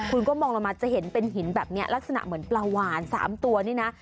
คุณก็มองลงมาจะเห็นเป็นหินแบบนี้ลักษณะเหมือนปลาหวาน๓ตัวนี่นะ